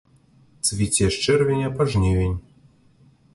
Цвіце з чэрвеня па жнівень.